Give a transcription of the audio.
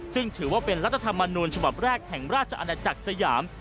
ซึ่งถือว่าเป็นรัฐธรรมนูญฉบับแรกแห่งราชอาณาจักรสยาม